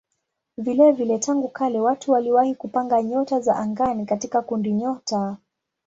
Vilevile tangu kale watu waliwahi kupanga nyota za angani katika kundinyota.